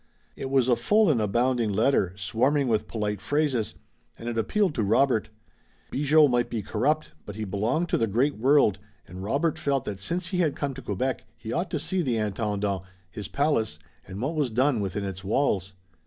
It was a full and abounding letter, swarming with polite phrases, and it appealed to Robert. Bigot might be corrupt, but he belonged to the great world, and Robert felt that since he had come to Quebec he ought to see the Intendant, his palace and what was done within its walls.